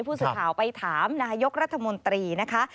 ผู้สื่อข่าวไปถามนายกรัฐมนตรีนะคะ